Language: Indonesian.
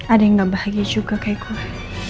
ada yang gak bahagia juga kayak gue